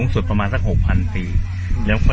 สวัสดีครับคุณผู้ชาย